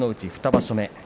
２場所目。